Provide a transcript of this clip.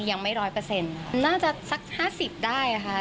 ยังไม่ร้อยเปอร์เซ็นต์น่าจะสัก๕๐ได้ค่ะ